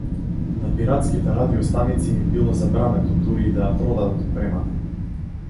На пиратските радио-станици им било забрането дури и да ја продадат опремата.